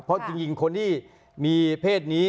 เพราะจริงคนที่มีเพศนี้